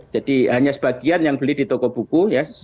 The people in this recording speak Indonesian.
jadi hanya sebagian yang beli di toko buku ya